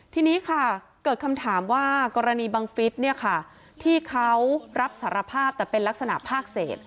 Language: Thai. ทีนี้ค่ะเกิดคำถามว่ากรณีบังฟิศที่เขารับสารภาพแต่เป็นลักษณะภาคเศษ